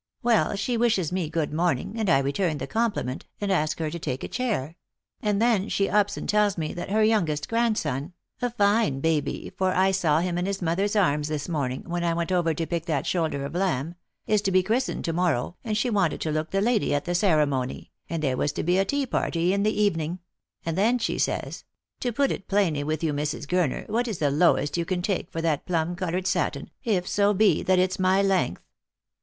Well, she wishes me good morning, and I return the compliment, and ask her to take a chair ; and then she ups and tells me that her youngest grandson — a fine baby, for I saw him in his toother's arms this morning when I went over to pick that shoulder of lamb — is to be christened to morrow, and she wanted to look the lady at the ceremony, and there was to be a tea party in the evening; and then_ she says: 'To put it plainly with you, Mrs. Gurner, what is the lowest you can take for that plum coloured satin, if so be that it's my length?